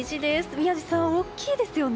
宮司さん、大きいですよね。